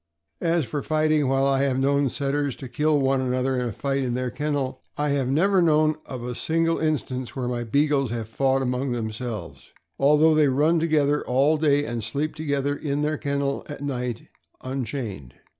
As for fighting, while I have known Setters to kill one another in a fight in their kennel, I have never known of a single instance where my Beagles have fought among them selves, although they run together all day and sleep to gether in their kennel at night unchained.